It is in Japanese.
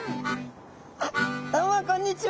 あっどうもこんにちは！